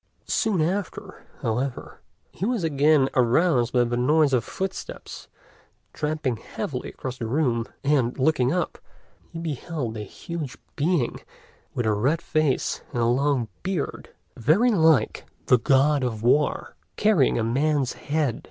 Soon after, however, he was again aroused by the noise of footsteps tramping heavily across the room, and, looking up, he beheld a huge being with a red face and a long beard, very like the God of War, carrying a man's head.